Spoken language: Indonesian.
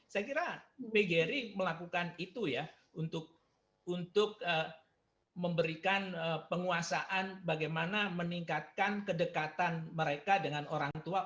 saya kira pgri melakukan itu ya untuk memberikan penguasaan bagaimana meningkatkan kedekatan mereka dengan orang tua